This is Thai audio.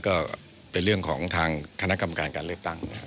ก็เป็นเรื่องของทางคณะกรรมการการเลือกตั้ง